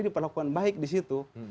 diperlakukan baik di situ